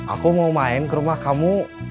aku mau main ke rumah kamu